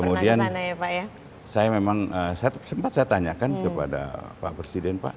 kemudian saya memang sempat saya tanyakan kepada pak presiden pak